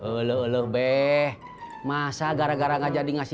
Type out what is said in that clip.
uluh uluh beh masa gara gara enggak jadi ngasih